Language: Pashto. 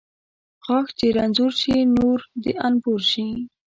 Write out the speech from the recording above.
ـ غاښ چې رنځور شي ، نور د انبور شي .